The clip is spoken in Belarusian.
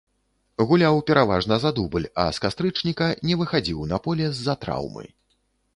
Гуляў пераважна за дубль, а з кастрычніка не выхадзіў на поле з-за траўмы.